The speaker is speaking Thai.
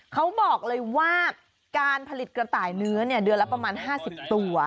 เขาบอกเลยว่าการผลิตกระต่ายเนื้อเดือนละประมาณ๕๐ตัว